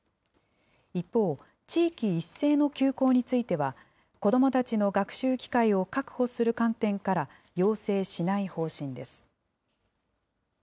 一方、地域一斉の休校については、子どもたちの学習機会を確保する観点から要請しない方針です。